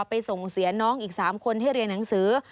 ส่งเสียน้องอีก๓คนให้เรียนหนังสือ